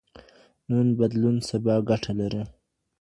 نن بدلون سبا ګټه لري.